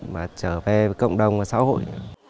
và trở về cộng đồng và xã hội